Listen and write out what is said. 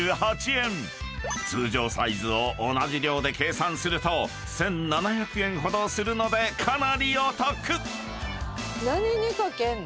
［通常サイズを同じ量で計算すると１，７００円ほどするのでかなりお得！］